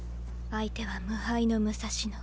相手は無敗の武蔵野。